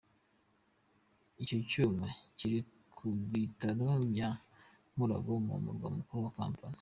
Icyo cyuma kiri ku bitaro bya Mulago mu murwa mukuru Kampala.